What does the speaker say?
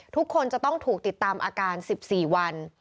ทุกคนจะต้องถูกติดตามอาการ๑๔วัน